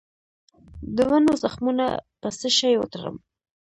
د ونو زخمونه په څه شي وتړم؟